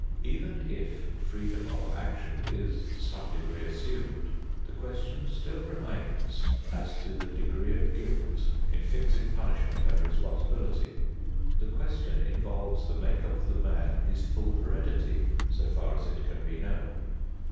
Even if freedom of action is to some degree assumed, the question still remains as to the degree of guilt in fixing punishment and responsibility. The question involves the make up of the man, his full heredity, so far as it can be known.